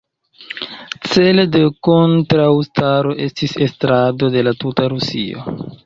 Celo de kontraŭstaro estis estrado de la tuta Rusio.